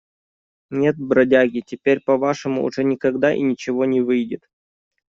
Нет, бродяги, теперь по-вашему уже никогда и ничего не выйдет.